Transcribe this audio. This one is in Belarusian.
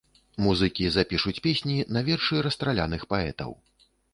Музыкі запішуць песні на вершы расстраляных паэтаў.